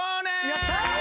やったー！